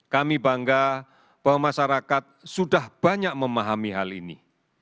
kami bangga bahwa masyarakat sudah banyak memahami hal ini